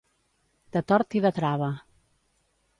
De tort i de trava.